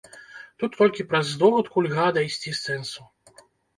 Тут толькі праз здогадку льга дайсці сэнсу.